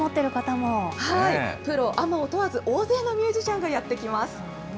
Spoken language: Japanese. プロ、アマを問わず、大勢のミュージシャンがやって来ます。